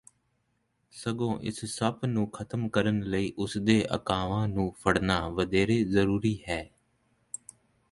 ਸਗੋਂ ਇਸ ਸੱਪ ਨੂੰ ਖ਼ਤਮ ਕਰਨ ਲਈ ਉਸਦੇ ਆਕਾਵਾਂ ਨੂੰ ਫੜਣਾ ਵਧੇਰੇ ਜ਼ਰੂਰੀ ਹੈ